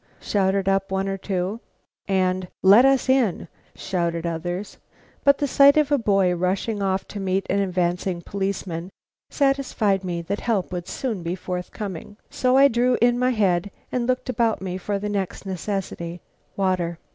shouted up one or two; and "Let us in!" shouted others; but the sight of a boy rushing off to meet an advancing policeman satisfied me that help would soon be forthcoming, so I drew in my head and looked about me for the next necessity water.